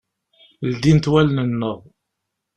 Ldint wallen-nneɣ.